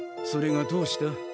それがどうした？